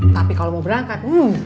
tapi kalau mau berangkat